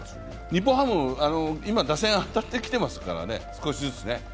日本ハム、今、打線当たってきてますからね、少しずつね。